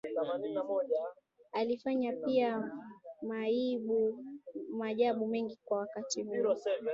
Alifanya pia maajabu mengi kwa wakati huo